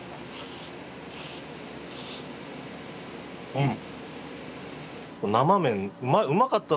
うん！